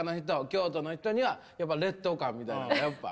京都の人にはやっぱ劣等感みたいなんがやっぱ。